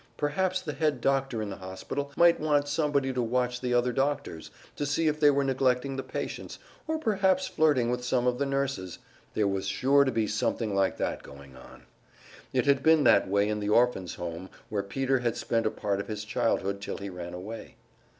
Perhaps the head doctor in the hospital might want somebody to watch the other doctors, to see if they were neglecting the patients, or perhaps flirting with some of the nurses there was sure to be something like that going on. It had been that way in the orphans' home where Peter had spent a part of his childhood till he ran away.